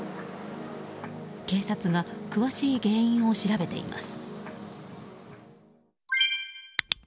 警察が詳しい原因を調べています。